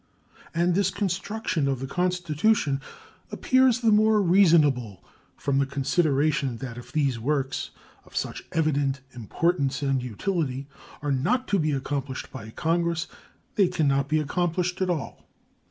And this construction of the Constitution appears the more reasonable from the consideration that if these works, of such evident importance and utility, are not to be accomplished by Congress they can not be accomplished at all.